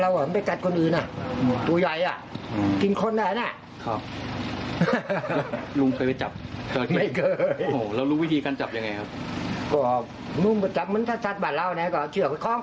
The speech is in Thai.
เหมือนเชื่อง